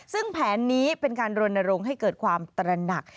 ซึ่งแผนนี้เป็นการรณรงค์ให้เกิดความตระหนัก